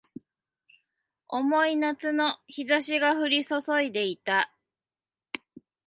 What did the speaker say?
重い夏の日差しが降り注いでいた